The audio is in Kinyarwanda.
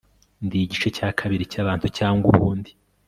ndi igice cya kabiri cyabantu cyangwa ubundi